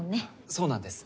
そうなんです